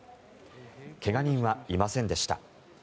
怪我人はいませんでした。